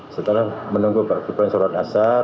setelah menunggu pak gibran sholat asar